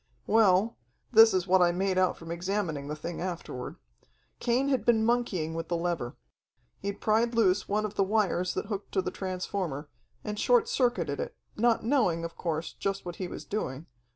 "Well this it what I made out from examining the thing afterward. Cain had been monkeying with the lever. He'd pried loose one of the wires that hooked to the transformer, and short circuited it, not knowing, of course, just what he was doing.